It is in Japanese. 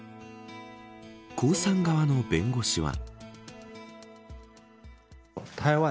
江さん側の弁護士は。